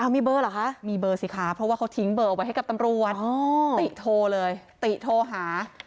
มีเบอร์เหรอคะมีเบอร์สิคะเพราะว่าเขาทิ้งเบอร์ไว้ให้กับตำรวจติโทรเลยติโทรหา